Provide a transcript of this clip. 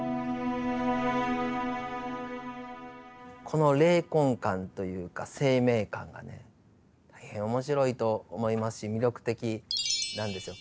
この霊魂観というか生命観がね大変面白いと思いますし魅力的なんですよ。